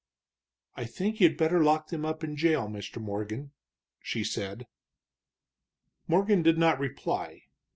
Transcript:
"I think you'd better lock them up in jail, Mr. Morgan," she said. Morgan did not reply.